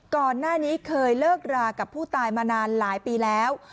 ก่อนหน้านี้เคยเลิกรากับผู้ตายมานานหลายปีแล้ว